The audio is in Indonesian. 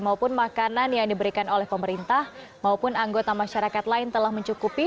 maupun makanan yang diberikan oleh pemerintah maupun anggota masyarakat lain telah mencukupi